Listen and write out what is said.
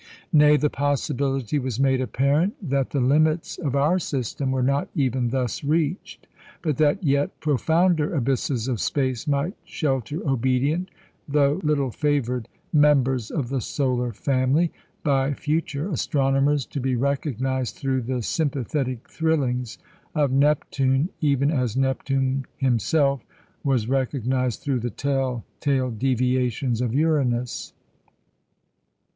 Nay, the possibility was made apparent that the limits of our system were not even thus reached, but that yet profounder abysses of space might shelter obedient, though little favoured, members of the solar family, by future astronomers to be recognised through the sympathetic thrillings of Neptune, even as Neptune himself was recognised through the tell tale deviations of Uranus.